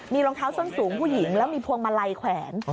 มีรองเท้าส้นสูงผู้หญิงแล้วมีพวงมาลัยแขวน